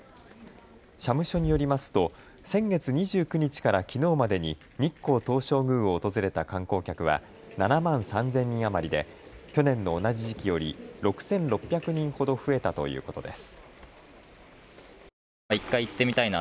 社務所によりますと先月２９日からきのうまでに日光東照宮を訪れた観光客は７万３０００人余りで去年の同じ時期より６６００人ほど増えたということです。